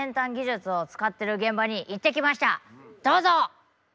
どうぞ！